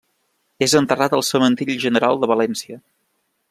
És enterrat al Cementiri General de València.